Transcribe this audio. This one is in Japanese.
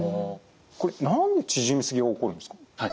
これ何で縮みすぎが起こるんですか？